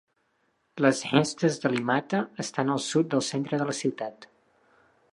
Les restes de Limata estan al sud del centre de la ciutat.